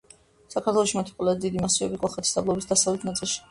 საქართველოში მათი ყველაზე დიდი მასივები კოლხეთის დაბლობის დასავლეთ ნაწილშია.